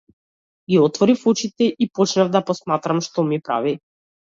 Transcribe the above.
Ги отворив очите и почнав да посматрам што ми прави.